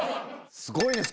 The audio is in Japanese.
すごいね。